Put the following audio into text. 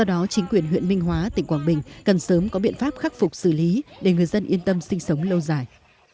nhưng huyện minh hóa tỉnh quảng bình cần sớm có biện pháp khắc phục xử lý để người dân yên tâm sinh sống lâu dài